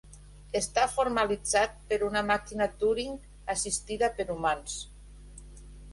Està formalitzat per una màquina Turing assistida per humans.